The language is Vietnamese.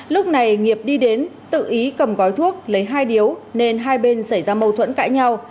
lúc này nghiệp đi đến tự ý cầm gói thuốc lấy hai điếu nên hai bên xảy ra mâu thuẫn cãi nhau